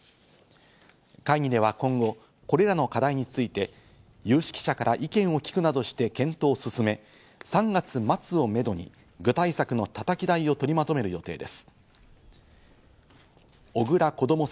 会議では今後、これらの課題について、有識者から意見を聞くなどして検討を進め、３月末をめどに具体策のたたき台を取りまとめる予定です。